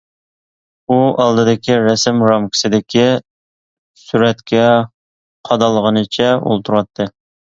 ئۇ ئالدىدىكى رەسىم رامكىسىدىكى سۈرەتكە قادالغىنىچە ئولتۇراتتى.